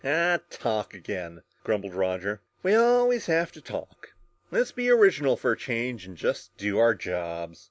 "Ah talk again!" grumbled Roger. "We always have to talk. Let's be original for a change and just do our jobs!"